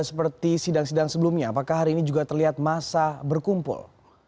seperti sidang sidang sebelumnya apakah hari ini juga terlihat masa berkumpul